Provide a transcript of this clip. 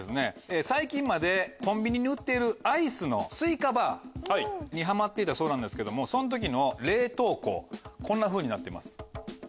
最近までコンビニに売っている。にハマっていたそうなんですけどもその時の冷凍庫こんなふうになってます。